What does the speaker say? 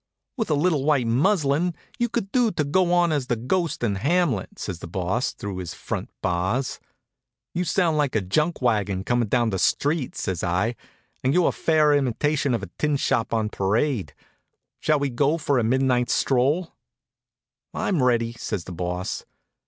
"With a little white muslin you'd do to go on as the ghost in 'Hamlet,'" says the Boss, through his front bars. "You sound like a junk wagon comin' down the street," says I, "and you're a fair imitation of a tinshop on parade. Shall we go for a midnight stroll?" "I'm ready," says the Boss.